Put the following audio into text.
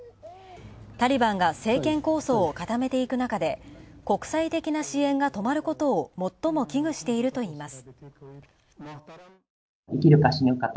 タリバンが政権構想を固めていく中で国際的な支援が止まることを最も危惧しているといいます。